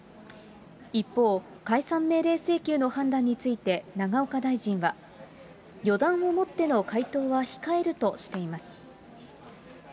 一方、解散命令請求の判断について、永岡大臣は、予断をもっての回答は控えるとしています。